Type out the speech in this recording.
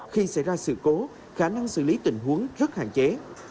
khi xảy ra sự cố khả năng xử lý tình huống rất hạn chế